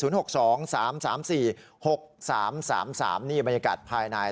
๐๖๒๓๓๔๖๓๓๓นี่บรรยากาศภายใน